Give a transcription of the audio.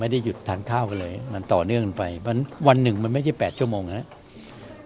ได้หยุดทานข้าวกันเลยมันต่อเนื่องไปวันหนึ่งมันไม่ใช่๘ชั่วโมงนะครับ